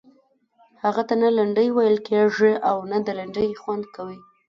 هغه ته نه لنډۍ ویل کیږي او نه د لنډۍ خوند کوي.